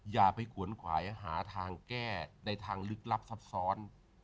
อย่าไปหาทางแก้ในทางลึกลับทับซ้อน